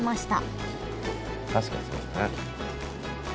確かにそうだね。